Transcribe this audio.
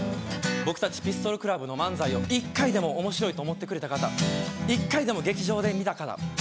僕たちピストルクラブの漫才を１回でも面白いと思ってくれた方１回でも劇場で見た方